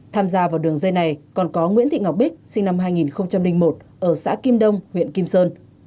tham gia vào đường dây này còn có nguyễn thị ngọc bích sinh năm hai nghìn một ở xã kim đông huyện kim sơn